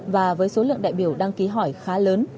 và với số lượng đại biểu đăng ký hỏi khá lớn